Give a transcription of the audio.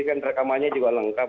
kan rekamannya juga lengkap